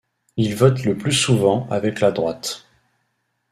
Il vote le plus souvent avec la droite.